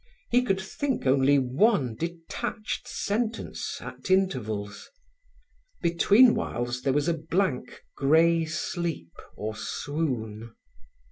He could think only one detached sentence at intervals. Between whiles there was a blank, grey sleep or swoon.